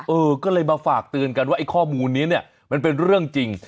เออก็เลยมาฝากเตือนกันว่าไอ้ข้อมูลนี้เนี่ยมันเป็นเรื่องจริง